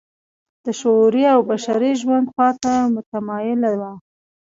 د شعوري او بشري ژوند خوا ته متمایله وه.